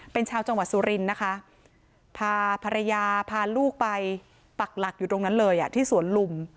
เป็นชาวจังหวัดสุรินทร์นะคะพาภรรยาพาลูกไปปักหลักอยู่ตรงนั้นเลยที่สวนลุม